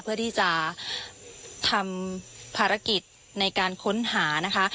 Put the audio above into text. เพื่อที่จะทำภารกิจในการค้นหานะคะ